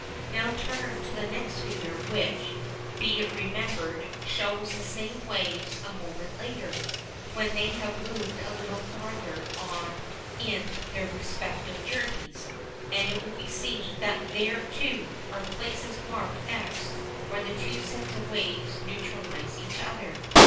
Now turn to the next figure, which, be it remembered, shows the same waves a moment later, when they have moved a little farther on in their respective journeys, and it will be seen that there, too, are places marked x where the two sets of waves neutralise each other.